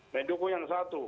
mendukung yang satu